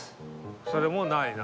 それもうないな。